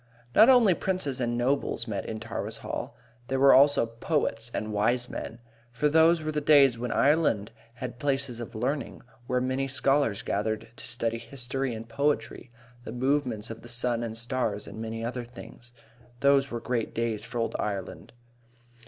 Not only princes and nobles met in Tara's Hall. There were also poets and wise men. For those were the days when Ireland had places of learning where many scholars gathered, to study history and poetry, the movements of the sun and stars, and many other things. Those were great days for Old Ireland.